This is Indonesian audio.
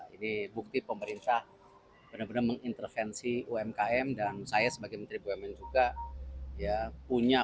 ini bukti pemerintah benar benar mengintervensi umkm dan saya sebagai menteri bumn juga ya punya